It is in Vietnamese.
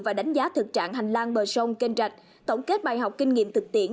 và đánh giá thực trạng hành lang bờ sông kênh rạch tổng kết bài học kinh nghiệm thực tiễn